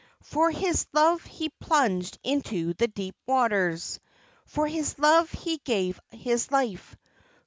For his love he plunged into the deep waters; For his love he gave his life.